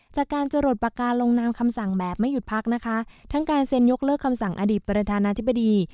จากการจรดปากกาลงนามคำสั่งแบบไม่หยุดพักนะคะทั้งการเซ็นยกเลิกคำสั่งอดีตประธานาธิบดี